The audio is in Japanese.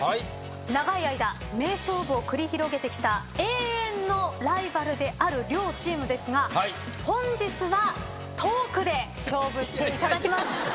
長い間名勝負を繰り広げてきた永遠のライバルである両チームですが本日はトークで勝負していただきます。